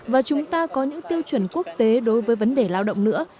và chúng ta có những tiêu chuẩn quốc tế đối với vấn đề lao động nữa